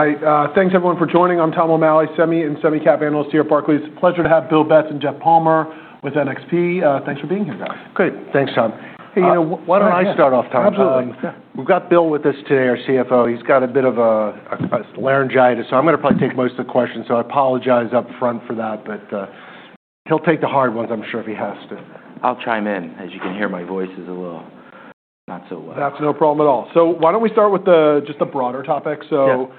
Hi. Thanks, everyone, for joining. I'm Tom O'Malley, Semi and SemiCap analyst here at Barclays. Pleasure to have Bill Betz and Jeff Palmer with NXP. Thanks for being here, guys. Great. Thanks, Tom. Hey, why don't I start off, Tom? Absolutely. We've got Bill with us today, our CFO. He's got a bit of laryngitis, so I'm going to probably take most of the questions. So I apologize upfront for that, but he'll take the hard ones, I'm sure, if he has to. I'll chime in. As you can hear, my voice is a little not so well. That's no problem at all. So why don't we start with just a broader topic? So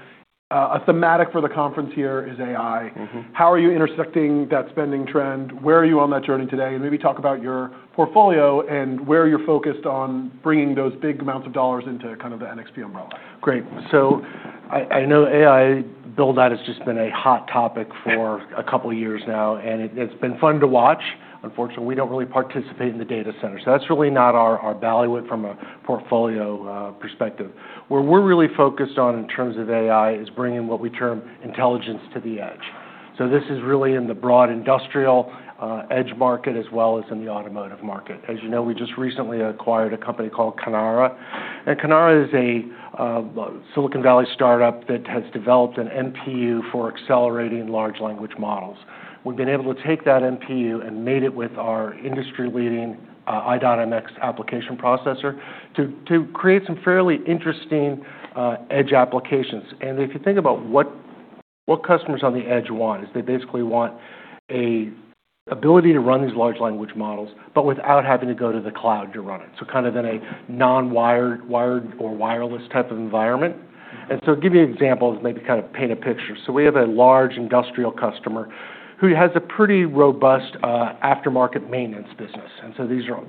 a thematic for the conference here is AI. How are you intersecting that spending trend? Where are you on that journey today? And maybe talk about your portfolio and where you're focused on bringing those big amounts of dollars into kind of the NXP umbrella. Great, so I know AI, Bill, that has just been a hot topic for a couple of years now, and it's been fun to watch. Unfortunately, we don't really participate in the data center, so that's really not our bailiwick from a portfolio perspective. Where we're really focused on in terms of AI is bringing what we term intelligence to the edge, so this is really in the broad industrial edge market as well as in the automotive market. As you know, we just recently acquired a company called Kinara, and Kinara is a Silicon Valley startup that has developed an NPU for accelerating large language models. We've been able to take that NPU and made it with our industry-leading i.MX application processor to create some fairly interesting edge applications. And if you think about what customers on the edge want, is they basically want an ability to run these large language models, but without having to go to the cloud to run it. So kind of in a non-wired or wireless type of environment. And so to give you an example, maybe kind of paint a picture. So we have a large industrial customer who has a pretty robust aftermarket maintenance business. And so these are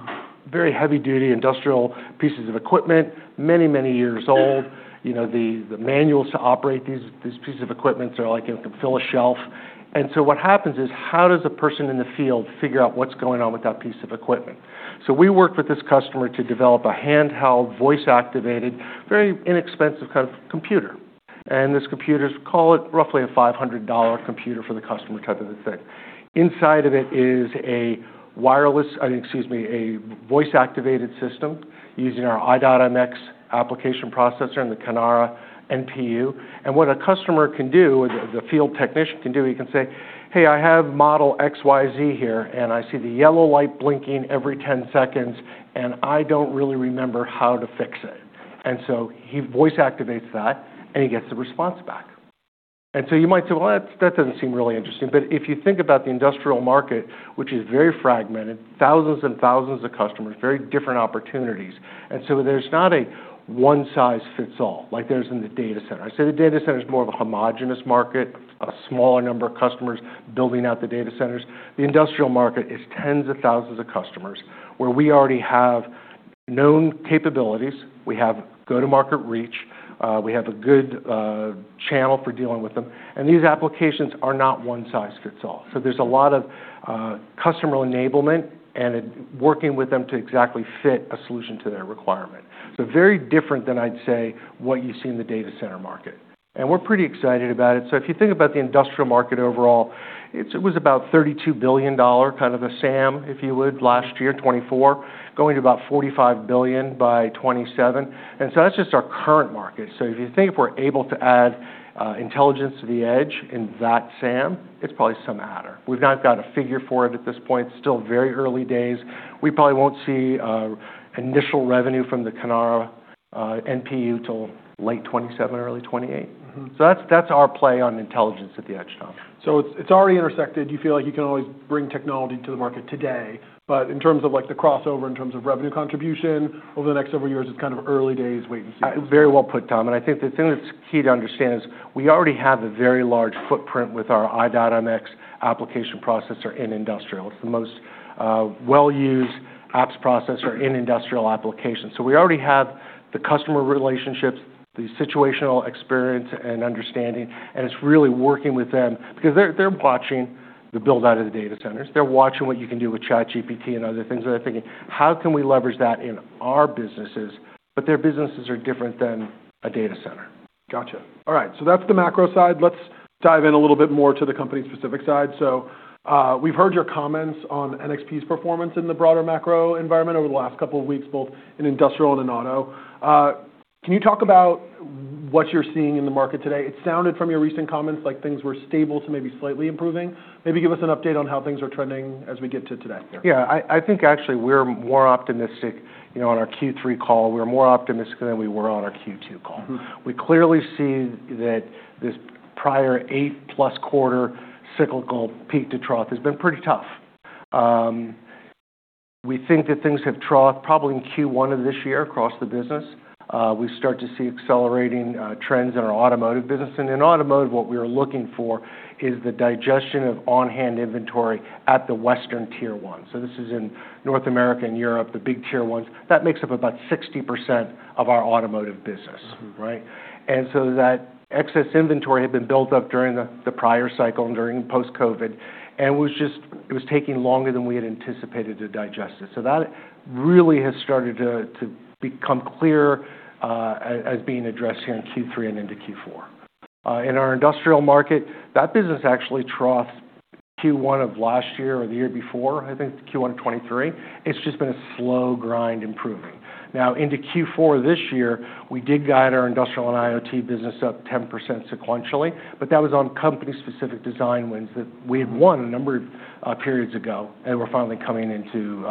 very heavy-duty industrial pieces of equipment, many, many years old. The manuals to operate these pieces of equipment are like you can fill a shelf. And so what happens is, how does a person in the field figure out what's going on with that piece of equipment? So we worked with this customer to develop a handheld, voice-activated, very inexpensive kind of computer. And this computer, call it roughly a $500 computer for the customer type of a thing. Inside of it is a wireless, excuse me, a voice-activated system using our i.MX application processor and the Kinara NPU. And what a customer can do, the field technician can do, he can say, "Hey, I have model XYZ here, and I see the yellow light blinking every 10 seconds, and I don't really remember how to fix it." And so he voice-activates that, and he gets the response back. And so you might say, "Well, that doesn't seem really interesting." But if you think about the industrial market, which is very fragmented, thousands and thousands of customers, very different opportunities. And so there's not a one-size-fits-all like there's in the data center. I say the data center is more of a homogeneous market, a smaller number of customers building out the data centers. The industrial market is tens of thousands of customers where we already have known capabilities. We have go-to-market reach. We have a good channel for dealing with them, and these applications are not one-size-fits-all, so there's a lot of customer enablement and working with them to exactly fit a solution to their requirement, so very different than I'd say what you see in the data center market, and we're pretty excited about it, so if you think about the industrial market overall, it was about $32 billion, kind of a SAM, if you would, last year, 2024, going to about $45 billion by 2027, and so that's just our current market. So, if you think we're able to add intelligence to the edge in that SAM, it's probably some adder. We've not got a figure for it at this point. It's still very early days. We probably won't see initial revenue from the Kinara NPU till late 2027, early 2028, so that's our play on intelligence at the edge, Tom. So it's already intersected. You feel like you can always bring technology to the market today. But in terms of the crossover, in terms of revenue contribution over the next several years, it's kind of early days, wait and see. Very well put, Tom. And I think the thing that's key to understand is we already have a very large footprint with our i.MX application processor in industrial. It's the most well-used apps processor in industrial applications. So we already have the customer relationships, the situational experience, and understanding. And it's really working with them because they're watching the build-out of the data centers. They're watching what you can do with ChatGPT and other things. And they're thinking, "How can we leverage that in our businesses?" But their businesses are different than a data center. Gotcha. All right. So that's the macro side. Let's dive in a little bit more to the company-specific side. So we've heard your comments on NXP's performance in the broader macro environment over the last couple of weeks, both in industrial and in auto. Can you talk about what you're seeing in the market today? It sounded from your recent comments like things were stable to maybe slightly improving. Maybe give us an update on how things are trending as we get to today. Yeah. I think actually we're more optimistic on our Q3 call. We're more optimistic than we were on our Q2 call. We clearly see that this prior eight-plus quarter cyclical peak to trough has been pretty tough. We think that things have troughed probably in Q1 of this year across the business. We start to see accelerating trends in our automotive business, and in automotive, what we were looking for is the digestion of on-hand inventory at the Western Tier 1, so this is in North America and Europe, the big Tier 1s. That makes up about 60% of our automotive business, right? And so that excess inventory had been built up during the prior cycle and during post-COVID, and it was taking longer than we had anticipated to digest it, so that really has started to become clearer as being addressed here in Q3 and into Q4. In our industrial market, that business actually troughed Q1 of last year or the year before, I think Q1 of 2023. It's just been a slow grind improving. Now, into Q4 this year, we did guide our Industrial & IoT business up 10% sequentially, but that was on company-specific design wins that we had won a number of periods ago, and we're finally coming into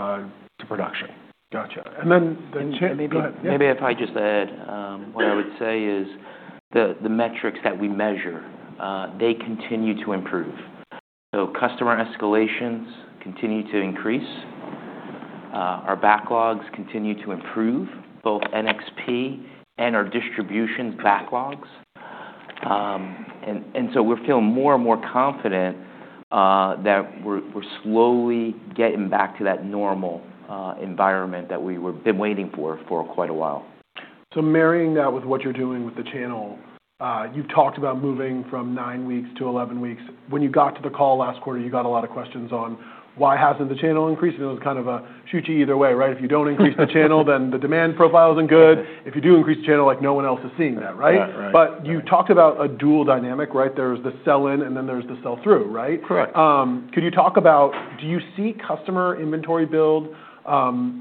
production. Gotcha. And then. Maybe if I just add, what I would say is the metrics that we measure, they continue to improve. So customer escalations continue to increase. Our backlogs continue to improve, both NXP and our distribution backlogs. And so we're feeling more and more confident that we're slowly getting back to that normal environment that we were waiting for quite a while. So marrying that with what you're doing with the channel, you've talked about moving from nine weeks to 11 weeks. When you got to the call last quarter, you got a lot of questions on why hasn't the channel increased. And it was kind of a shoot you either way, right? If you don't increase the channel, then the demand profile isn't good. If you do increase the channel, like no one else is seeing that, right? But you talked about a dual dynamic, right? There's the sell-in, and then there's the sell-through, right? Correct. Could you talk about, do you see customer inventory build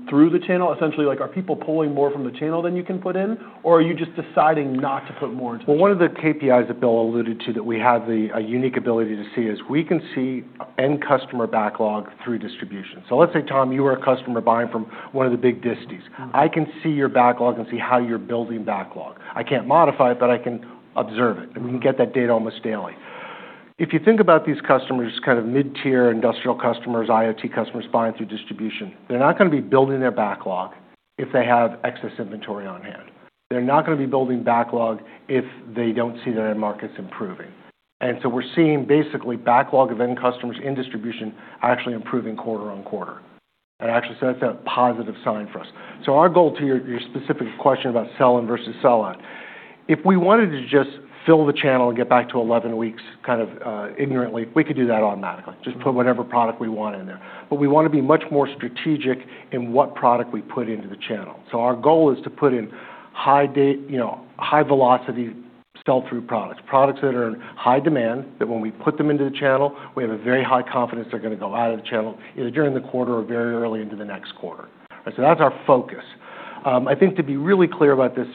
through the channel? Essentially, are people pulling more from the channel than you can put in, or are you just deciding not to put more into the channel? Well, one of the KPIs that Bill alluded to that we have a unique ability to see is we can see end customer backlog through distribution. So let's say, Tom, you were a customer buying from one of the big disties. I can see your backlog and see how you're building backlog. I can't modify it, but I can observe it. We can get that data almost daily. If you think about these customers, kind of mid-tier industrial customers, IoT customers buying through distribution, they're not going to be building their backlog if they have excess inventory on hand. They're not going to be building backlog if they don't see their end markets improving. And so we're seeing basically backlog of end customers in distribution actually improving quarter on quarter. And actually, so that's a positive sign for us. So our goal to your specific question about sell-in versus sell-out, if we wanted to just fill the channel and get back to 11 weeks kind of ignorantly, we could do that automatically. Just put whatever product we want in there. But we want to be much more strategic in what product we put into the channel. So our goal is to put in high-velocity sell-through products, products that are in high demand that when we put them into the channel, we have a very high confidence they're going to go out of the channel either during the quarter or very early into the next quarter. So that's our focus. I think to be really clear about this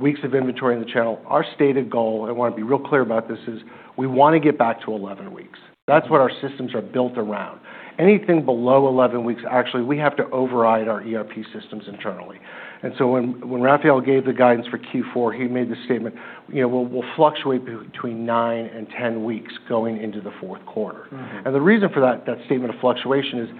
weeks of inventory in the channel, our stated goal, and I want to be real clear about this, is we want to get back to 11 weeks. That's what our systems are built around. Anything below 11 weeks, actually, we have to override our ERP systems internally. And so when Rafael gave the guidance for Q4, he made the statement, "We'll fluctuate between 9 and 10 weeks going into the fourth quarter." And the reason for that statement of fluctuation is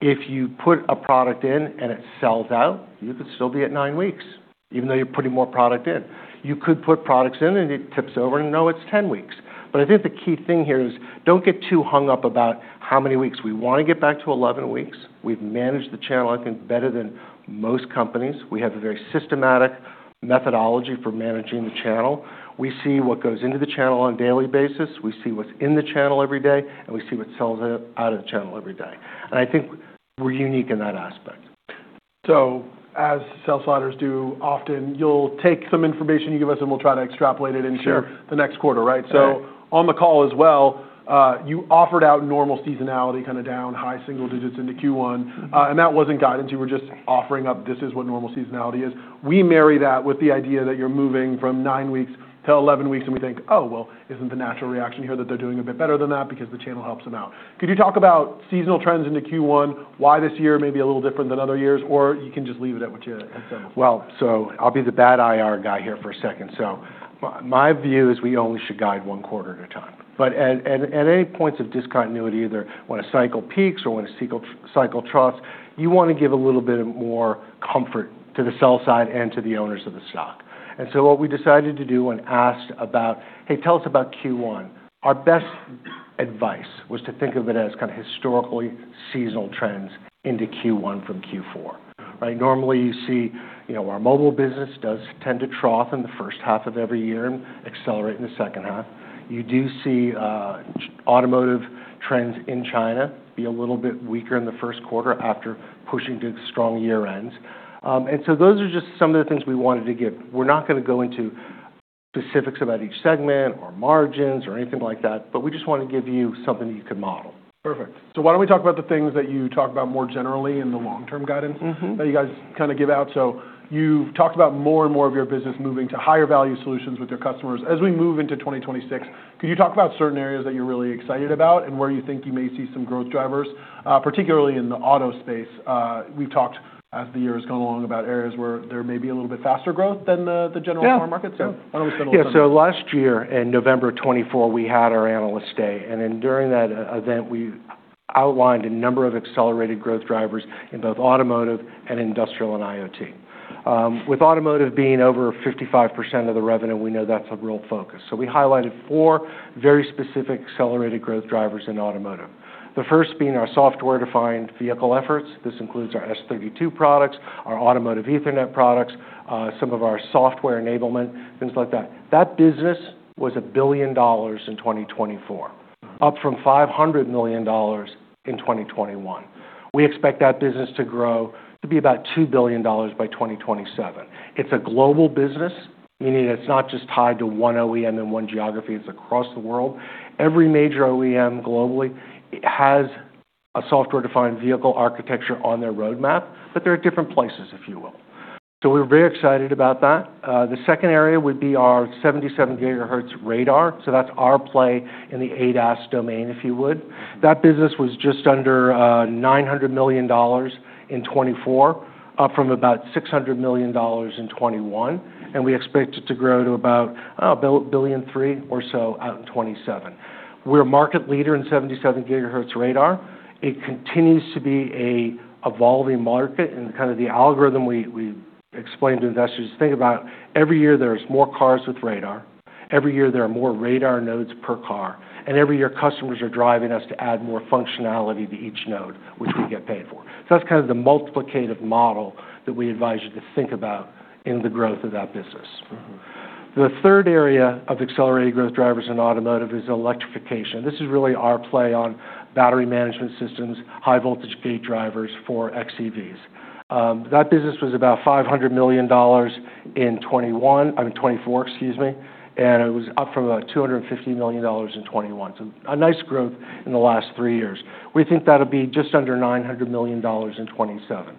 if you put a product in and it sells out, you could still be at nine weeks, even though you're putting more product in. You could put products in and it tips over and no, it's 10 weeks. But I think the key thing here is don't get too hung up about how many weeks. We want to get back to 11 weeks. We've managed the channel, I think, better than most companies. We have a very systematic methodology for managing the channel. We see what goes into the channel on a daily basis. We see what's in the channel every day, and we see what sells out of the channel every day. And I think we're unique in that aspect. So as sell-siders do often, you'll take some information you give us, and we'll try to extrapolate it into the next quarter, right? So on the call as well, you offered up normal seasonality, kind of down high single digits into Q1. And that wasn't guidance. You were just offering up, "This is what normal seasonality is." We marry that with the idea that you're moving from nine weeks to 11 weeks, and we think, "Oh, well, isn't the natural reaction here that they're doing a bit better than that because the channel helps them out?" Could you talk about seasonal trends into Q1, why this year may be a little different than other years, or you can just leave it at what you're at? Well, so I'll be the bad IR guy here for a second. So my view is we only should guide one quarter at a time. But at any points of discontinuity, either when a cycle peaks or when a cycle troughs, you want to give a little bit more comfort to the sell side and to the owners of the stock. And so what we decided to do when asked about, "Hey, tell us about Q1," our best advice was to think of it as kind of historically seasonal trends into Q1 from Q4, right? Normally, you see our mobile business does tend to trough in the first half of every year and accelerate in the second half. You do see automotive trends in China be a little bit weaker in the first quarter after pushing to strong year-ends. And so those are just some of the things we wanted to give. We're not going to go into specifics about each segment or margins or anything like that, but we just want to give you something that you can model. Perfect. So why don't we talk about the things that you talk about more generally in the long-term guidance that you guys kind of give out? So you've talked about more and more of your business moving to higher value solutions with your customers. As we move into 2026, could you talk about certain areas that you're really excited about and where you think you may see some growth drivers, particularly in the auto space? We've talked as the year has gone along about areas where there may be a little bit faster growth than the general car market. So why don't we spend a little time? Yeah. So last year in November 2024, we had our analyst day. And then during that event, we outlined a number of accelerated growth drivers in both automotive and industrial & IoT. With automotive being over 55% of the revenue, we know that's a real focus. So we highlighted four very specific accelerated growth drivers in automotive. The first being our software-defined vehicle efforts. This includes our S32 products, our automotive Ethernet products, some of our software enablement, things like that. That business was $1 billion in 2024, up from $500 million in 2021. We expect that business to grow to be about $2 billion by 2027. It's a global business. Meaning it's not just tied to one OEM in one geography. It's across the world. Every major OEM globally has a software-defined vehicle architecture on their roadmap, but they're at different places, if you will. So we're very excited about that. The second area would be our 77 gigahertz radar. So that's our play in the ADAS domain, if you would. That business was just under $900 million in 2024, up from about $600 million in 2021. And we expect it to grow to about $1.3 billion or so out in 2027. We're a market leader in 77 gigahertz radar. It continues to be an evolving market. And kind of the algorithm we explain to investors is think about every year there's more cars with radar. Every year there are more radar nodes per car. And every year customers are driving us to add more functionality to each node, which we get paid for. So that's kind of the multiplicative model that we advise you to think about in the growth of that business. The third area of accelerated growth drivers in automotive is electrification. This is really our play on battery management systems, high-voltage gate drivers for xEVs. That business was about $500 million in 2021, I mean 2024, excuse me. And it was up from about $250 million in 2021. So a nice growth in the last three years. We think that'll be just under $900 million in 2027.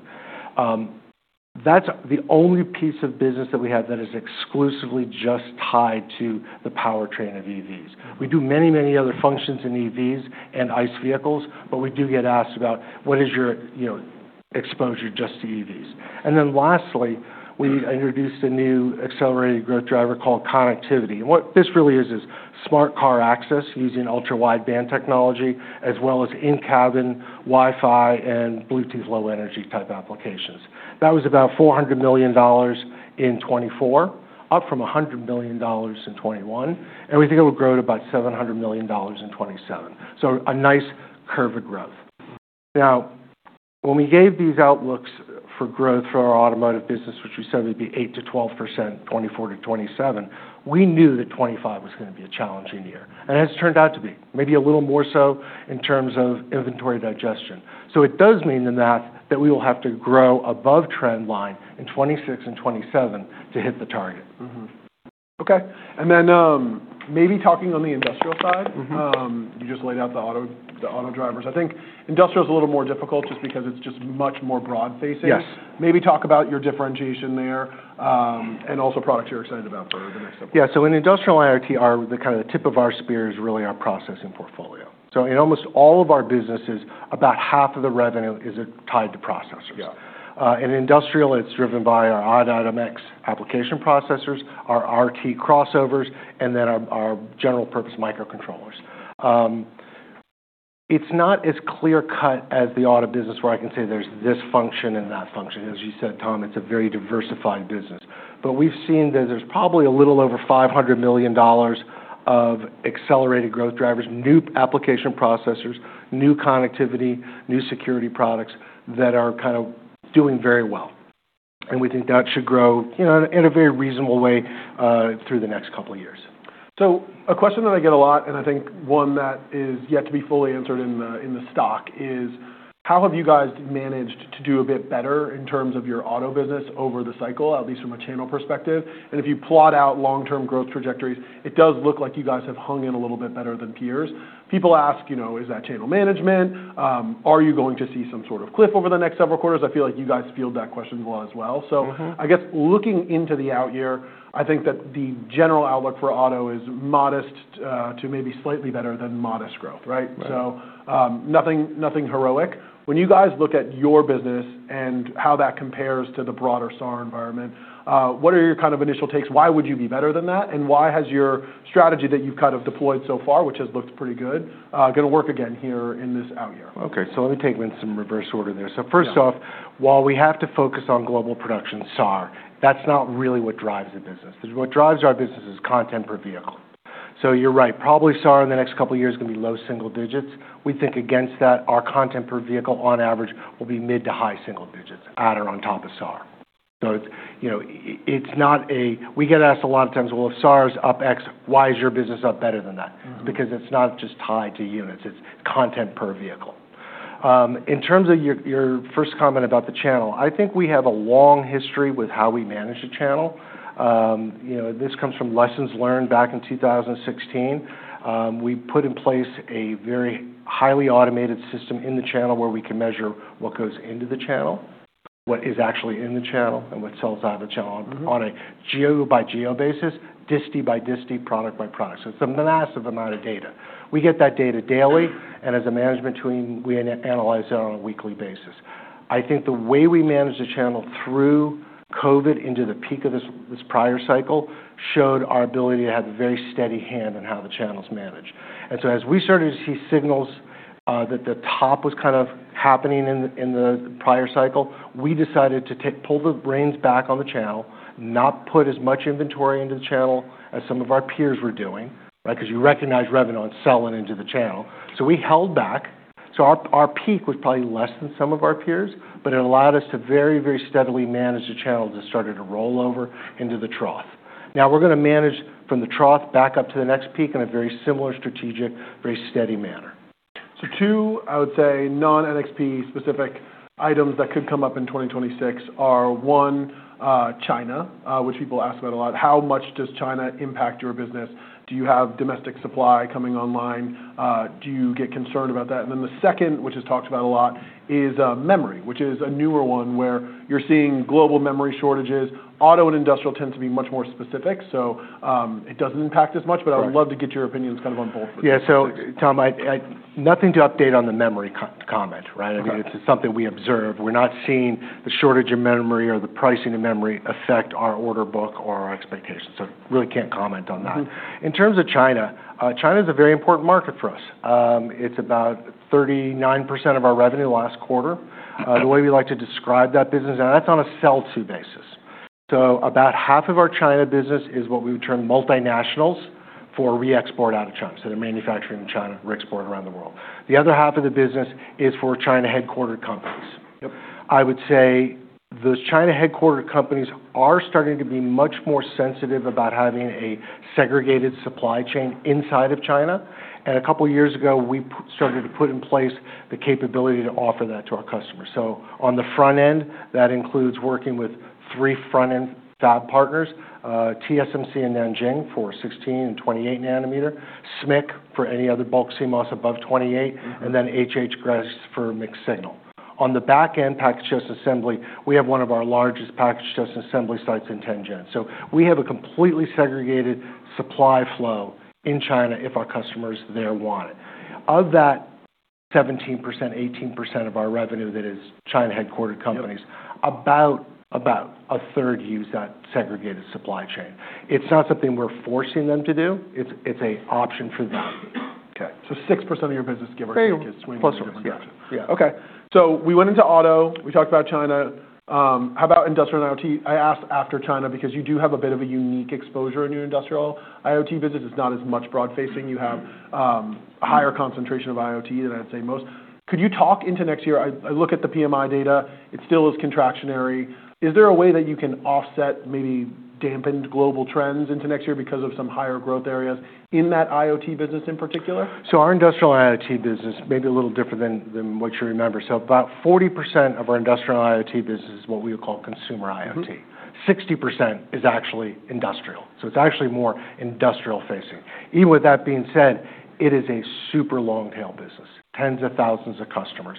That's the only piece of business that we have that is exclusively just tied to the powertrain of EVs. We do many, many other functions in EVs and ICE vehicles, but we do get asked about what is your exposure just to EVs. And then lastly, we introduced a new accelerated growth driver called connectivity. And what this really is, is smart car access using Ultra-Wideband technology, as well as in-cabin Wi-Fi and Bluetooth Low Energy type applications. That was about $400 million in 2024, up from $100 million in 2021. And we think it will grow to about $700 million in 2027. So a nice curve of growth. Now, when we gave these outlooks for growth for our automotive business, which we said would be 8%-12% 2024-2027, we knew that 2025 was going to be a challenging year. And it has turned out to be, maybe a little more so in terms of inventory digestion. So it does mean in that that we will have to grow above trend line in 2026 and 2027 to hit the target. Okay. And then maybe talking on the industrial side, you just laid out the auto drivers. I think industrial is a little more difficult just because it's just much more broad facing. Maybe talk about your differentiation there and also products you're excited about for the next couple of years. Yeah. So in industrial IoT, the kind of the tip of our spear is really our processing portfolio. So in almost all of our businesses, about half of the revenue is tied to processors. In industrial, it's driven by our i.MX application processors, our RT crossovers, and then our general purpose microcontrollers. It's not as clear-cut as the auto business where I can say there's this function and that function. As you said, Tom, it's a very diversified business. But we've seen that there's probably a little over $500 million of accelerated growth drivers, new application processors, new connectivity, new security products that are kind of doing very well. And we think that should grow in a very reasonable way through the next couple of years. So a question that I get a lot, and I think one that is yet to be fully answered in the stock, is how have you guys managed to do a bit better in terms of your auto business over the cycle, at least from a channel perspective? And if you plot out long-term growth trajectories, it does look like you guys have hung in a little bit better than peers. People ask, "Is that channel management? Are you going to see some sort of cliff over the next several quarters?" I feel like you guys field that question well as well. So I guess looking into the out year, I think that the general outlook for auto is modest to maybe slightly better than modest growth, right? So nothing heroic. When you guys look at your business and how that compares to the broader SAR environment, what are your kind of initial takes? Why would you be better than that? And why has your strategy that you've kind of deployed so far, which has looked pretty good, going to work again here in this out year? Okay, so let me take them in some reverse order there. So first off, while we have to focus on global production SAR, that's not really what drives the business. What drives our business is content per vehicle. So you're right. Probably SAR in the next couple of years is going to be low single digits. We think against that, our content per vehicle on average will be mid to high single digits, at or on top of SAR. So it's not. We get asked a lot of times, "Well, if SAR is up X, why is your business up better than that?" Because it's not just tied to units. It's content per vehicle. In terms of your first comment about the channel, I think we have a long history with how we manage the channel. This comes from lessons learned back in 2016. We put in place a very highly automated system in the channel where we can measure what goes into the channel, what is actually in the channel, and what sells out of the channel on a geo by geo basis, disty by disty, product by product. So it's a massive amount of data. We get that data daily. And as a management team, we analyze it on a weekly basis. I think the way we managed the channel through COVID into the peak of this prior cycle showed our ability to have a very steady hand in how the channel's managed. And so as we started to see signals that the top was kind of happening in the prior cycle, we decided to pull the reins back on the channel, not put as much inventory into the channel as some of our peers were doing, right? Because you recognize revenue on selling into the channel. So we held back. So our peak was probably less than some of our peers, but it allowed us to very, very steadily manage the channel that started to roll over into the trough. Now we're going to manage from the trough back up to the next peak in a very similar strategic, very steady manner. So two, I would say, non-NXP specific items that could come up in 2026 are, one, China, which people ask about a lot. How much does China impact your business? Do you have domestic supply coming online? Do you get concerned about that? And then the second, which is talked about a lot, is memory, which is a newer one where you're seeing global memory shortages. Auto and industrial tend to be much more specific, so it doesn't impact as much, but I would love to get your opinions kind of on both of those. Yeah. So, Tom, nothing to update on the memory comment, right? I mean, it's something we observe. We're not seeing the shortage of memory or the pricing of memory affect our order book or our expectations. So, really can't comment on that. In terms of China, China is a very important market for us. It's about 39% of our revenue last quarter. The way we like to describe that business, and that's on a sell-to basis. So, about half of our China business is what we would term multinationals for re-export out of China. So, they're manufacturing in China, export around the world. The other half of the business is for China-headquartered companies. I would say those China-headquartered companies are starting to be much more sensitive about having a segregated supply chain inside of China. And a couple of years ago, we started to put in place the capability to offer that to our customers. So on the front end, that includes working with three front-end fab partners, TSMC in Nanjing for 16 and 28 nanometer, SMIC for any other bulk CMOS above 28, and then HHGrace for mixed-signal. On the back end, package test assembly, we have one of our largest package test assembly sites in Tianjin. So we have a completely segregated supply flow in China if our customers there want it. Of that 17%-18% of our revenue that is China-headquartered companies, about a third use that segregated supply chain. It's not something we're forcing them to do. It's an option for them. Okay, so 6% of your business gives or swinging from there. Fairly close. Gotcha. Okay. So we went into auto. We talked about China. How about industrial & IoT? I asked after China because you do have a bit of a unique exposure in your industrial IoT business. It's not as much broad facing. You have a higher concentration of IoT than I'd say most. Could you talk into next year? I look at the PMI data. It still is contractionary. Is there a way that you can offset maybe dampened global trends into next year because of some higher growth areas in that IoT business in particular? So our industrial IoT business may be a little different than what you remember. So about 40% of our industrial IoT business is what we call consumer IoT. 60% is actually industrial. So it's actually more industrial facing. Even with that being said, it is a super long-tail business, tens of thousands of customers.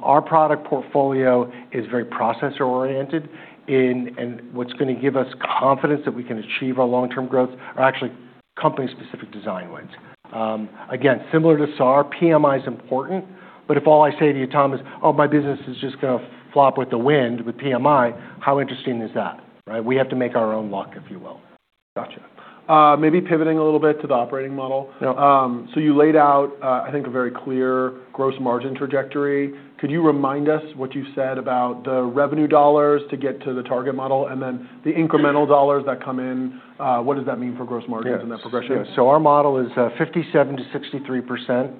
Our product portfolio is very processor-oriented. And what's going to give us confidence that we can achieve our long-term growth are actually company-specific design wins. Again, similar to SAR, PMI is important. But if all I say to you, Tom, is, "Oh, my business is just going to flop with the wind with PMI," how interesting is that, right? We have to make our own luck, if you will. Gotcha. Maybe pivoting a little bit to the operating model. So you laid out, I think, a very clear gross margin trajectory. Could you remind us what you said about the revenue dollars to get to the target model and then the incremental dollars that come in? What does that mean for gross margins and that progression? Yeah. So our model is 57%-63%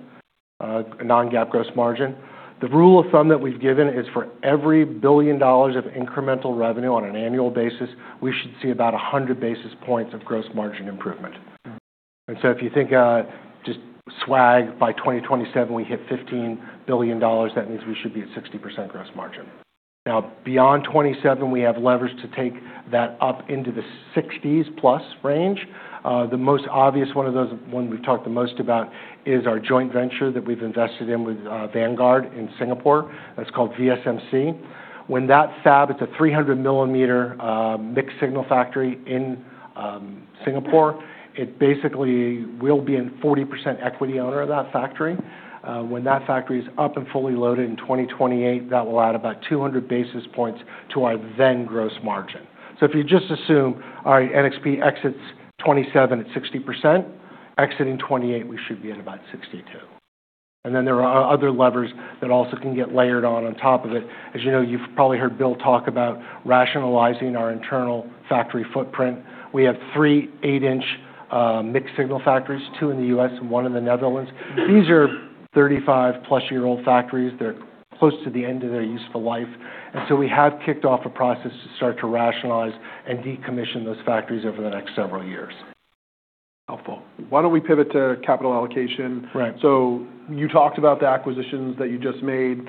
non-GAAP gross margin. The rule of thumb that we've given is for every $1 billion of incremental revenue on an annual basis, we should see about 100 basis points of gross margin improvement. And so if you think just swag by 2027, we hit $15 billion, that means we should be at 60% gross margin. Now, beyond 2027, we have levers to take that up into the 60s plus range. The most obvious one of those, one we've talked the most about, is our joint venture that we've invested in with Vanguard in Singapore. That's called VSMC. When that fab, it's a 300 millimeter mixed-signal factory in Singapore. We basically will be a 40% equity owner of that factory. When that factory is up and fully loaded in 2028, that will add about 200 basis points to our then gross margin. So if you just assume our NXP exits 2027 at 60%, exiting 2028, we should be at about 62. And then there are other levers that also can get layered on top of it. As you know, you've probably heard Bill talk about rationalizing our internal factory footprint. We have three 8-inch mixed-signal factories, two in the U.S. and one in the Netherlands. These are 35-plus-year-old factories. They're close to the end of their useful life. And so we have kicked off a process to start to rationalize and decommission those factories over the next several years. Helpful. Why don't we pivot to capital allocation? So you talked about the acquisitions that you just made.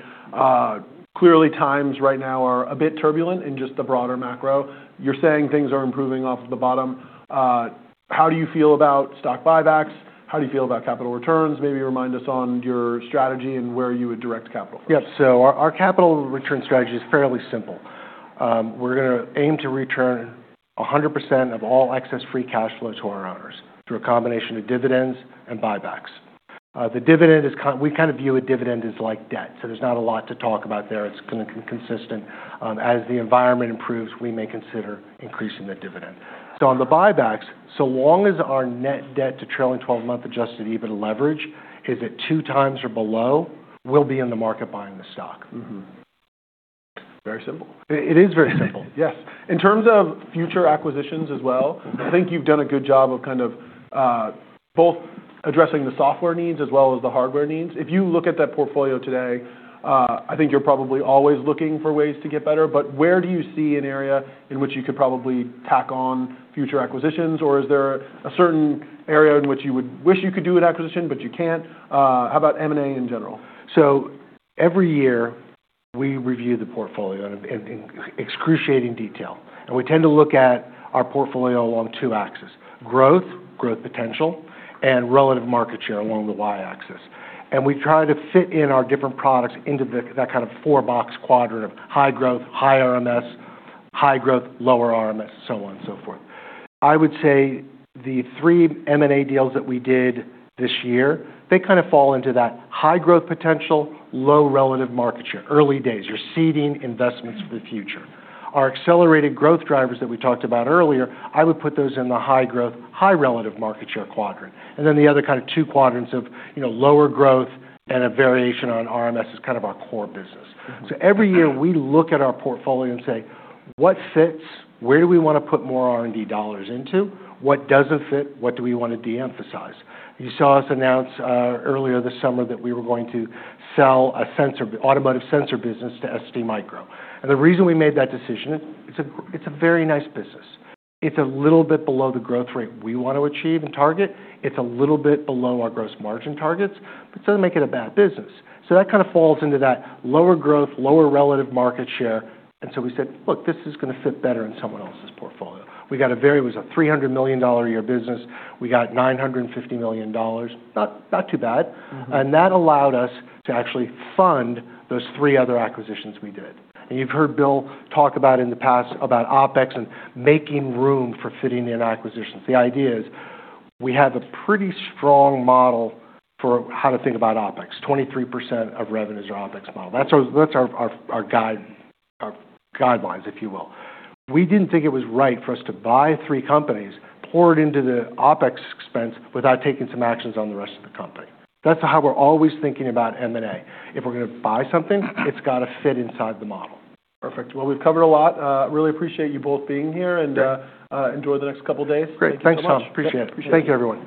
Clearly, times right now are a bit turbulent in just the broader macro. You're saying things are improving off the bottom. How do you feel about stock buybacks? How do you feel about capital returns? Maybe remind us on your strategy and where you would direct capital from. Yep. So our capital return strategy is fairly simple. We're going to aim to return 100% of all excess free cash flow to our owners through a combination of dividends and buybacks. We kind of view a dividend as like debt. So there's not a lot to talk about there. It's going to be consistent. As the environment improves, we may consider increasing the dividend. So on the buybacks, so long as our net debt to trailing 12-month adjusted EBITDA leverage is at two times or below, we'll be in the market buying the stock. Very simple. It is very simple. Yes. In terms of future acquisitions as well, I think you've done a good job of kind of both addressing the software needs as well as the hardware needs. If you look at that portfolio today, I think you're probably always looking for ways to get better. But where do you see an area in which you could probably tack on future acquisitions? Or is there a certain area in which you would wish you could do an acquisition, but you can't? How about M&A in general? Every year, we review the portfolio in excruciating detail. We tend to look at our portfolio along two axes: growth, growth potential, and relative market share along the Y axis. We try to fit in our different products into that kind of four-box quadrant of high growth, high RMS, high growth, lower RMS, so on and so forth. I would say the three M&A deals that we did this year, they kind of fall into that high growth potential, low relative market share, early days. You're seeding investments for the future. Our accelerated growth drivers that we talked about earlier, I would put those in the high growth, high relative market share quadrant. Then the other kind of two quadrants of lower growth and a variation on RMS is kind of our core business. Every year, we look at our portfolio and say, "What fits? Where do we want to put more R&D dollars into? What doesn't fit? What do we want to de-emphasize?" You saw us announce earlier this summer that we were going to sell an automotive sensor business to STMicro. And the reason we made that decision, it's a very nice business. It's a little bit below the growth rate we want to achieve and target. It's a little bit below our gross margin targets, but it doesn't make it a bad business. So that kind of falls into that lower growth, lower relative market share. And so we said, "Look, this is going to fit better in someone else's portfolio." We got a very, it was a $300 million-a-year business. We got $950 million. Not too bad. And that allowed us to actually fund those three other acquisitions we did. And you've heard Bill talk about in the past about OpEx and making room for fitting in acquisitions. The idea is we have a pretty strong model for how to think about OpEx. 23% of revenues are OpEx model. That's our guidelines, if you will. We didn't think it was right for us to buy three companies, pour it into the OpEx expense without taking some actions on the rest of the company. That's how we're always thinking about M&A. If we're going to buy something, it's got to fit inside the model. Perfect. Well, we've covered a lot. Really appreciate you both being here and enjoy the next couple of days. Great. Thanks, Tom. Appreciate it. Thank you everybody.